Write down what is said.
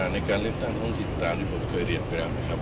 ในการเลตังของทิศตามที่ผมเคยเรียกแหลมนะครับ